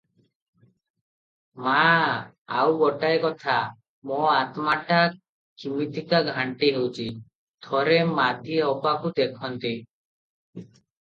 "ମା! ଆଉ ଗୋଟାଏ କଥା, ମୋ ଆତ୍ମାଟା କିମିତିକା ଘାଣ୍ଟି ହେଉଛି, ଥରେ ମାଧୀ ଅପାକୁ ଦେଖନ୍ତି ।"